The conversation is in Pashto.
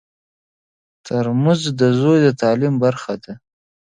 ترموز د زوی د تعلیم برخه ده.